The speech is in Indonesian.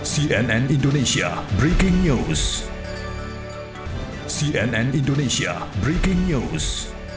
cnn indonesia breaking news